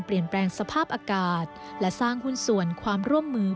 เปลี่ยนแปลงสภาพอากาศและสร้างหุ้นส่วนความร่วมมือ